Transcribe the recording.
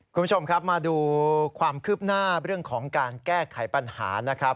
คุณผู้ชมครับมาดูความคืบหน้าเรื่องของการแก้ไขปัญหานะครับ